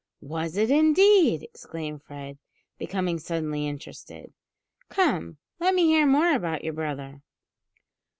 "Was it, indeed!" exclaimed Fred, becoming suddenly interested. "Come, let me hear more about your brother."